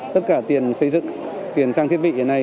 tất cả tiền xây dựng tiền trang thiết bị hiện nay